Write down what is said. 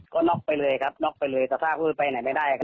ก็น็อกไปเลยครับน็อกไปเลยสภาพคือไปไหนไม่ได้ครับ